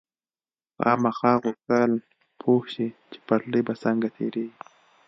خاما غوښتل پوه شي چې پټلۍ به څنګه تېرېږي.